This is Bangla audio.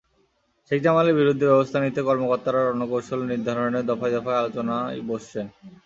শেখ জামালের বিরুদ্ধে ব্যবস্থা নিতে কর্মকর্তারা রণকৌশল নির্ধারণে দফায় দফায় আলোচনায় বসছেন।